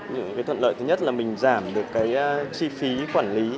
những cái thuận lợi thứ nhất là mình giảm được cái chi phí quản lý